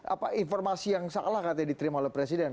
apa informasi yang salah katanya diterima oleh presiden